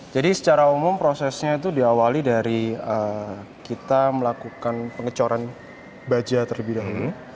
jadi secara umum prosesnya itu diawali dari kita melakukan pengecoran baja terlebih dahulu